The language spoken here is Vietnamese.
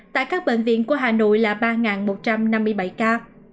tại các bệnh viện của hà nội là ba một trăm năm mươi bảy ca